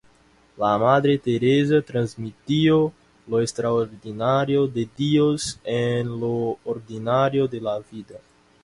La Madre Teresa transmitió lo extraordinario de Dios en lo ordinario de la vida.